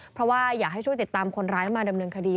เพราะว่าอยากให้ช่วยติดตามคนร้ายมาดำเนินคดี